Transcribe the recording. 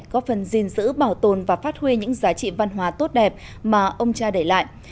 góp phần gìn giữ bảo tồn và phát huy những giá trị văn hóa tốt đẹp mà ông cha để lại